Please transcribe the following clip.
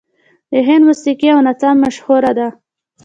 د هند موسیقي او نڅا مشهوره ده.